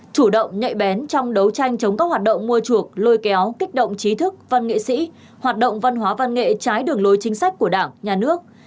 chủ động nhạy bén trong đấu tranh chống các hoạt động mua chuộc lôi kéo kích động trí thức văn nghệ sĩ hoạt động văn hóa văn nghệ trái đường lối chính sách của đảng nhà nước